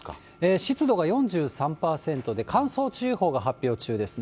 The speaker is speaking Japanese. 湿度が４３％で、乾燥注意報が発表中ですね。